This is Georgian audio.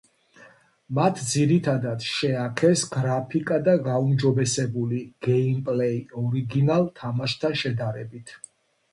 მათ ძირითადად შეაქეს გრაფიკა და გაუმჯობესებული გეიმპლეი ორიგინალ თამაშთან შედარებით.